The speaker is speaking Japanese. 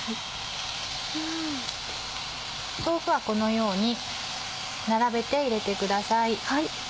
豆腐はこのように並べて入れてください。